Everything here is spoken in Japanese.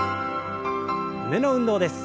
胸の運動です。